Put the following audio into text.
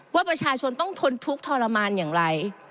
ว่าประชาชนต้องทนทุกข์ทรมานอย่างไร